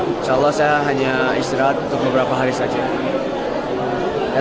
insya allah saya hanya istirahat untuk beberapa hari saja